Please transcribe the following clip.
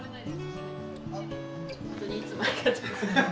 本当にいつもありがとうございます。